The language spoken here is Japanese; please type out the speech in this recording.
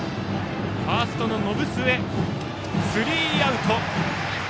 ファーストの延末がとってスリーアウト。